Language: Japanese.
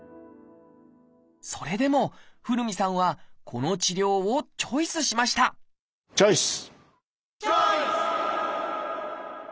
それでも古海さんはこの治療をチョイスしましたチョイス！